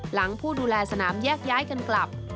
ผู้ดูแลสนามแยกย้ายกันกลับ